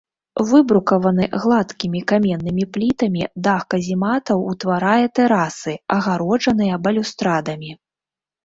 Выбрукаваны гладкімі каменнымі плітамі дах казематаў ўтварае тэрасы, агароджаныя балюстрадамі.